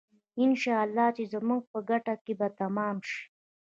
انشاالله چې زموږ په ګټه به تمام شي.